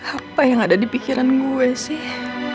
apa yang ada di pikiran gue sih